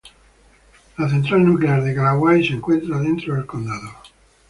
La Central Nuclear de Callaway se encuentra dentro del condado.